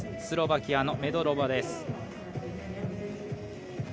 スロバキアのメドロバです。